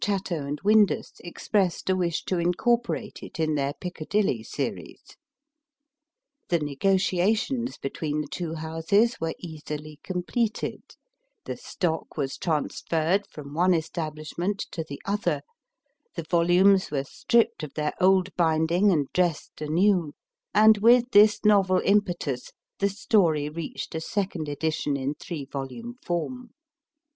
Chatto & Windus expressed a wish to incorporate it in their Piccadilly Series. The negotiations between the two houses were easily completed, the stock was transferred from one establishment to the other, the volumes were stripped of their old binding and dressed anew, and with this novel impetus the story reached a second edition in three volume form.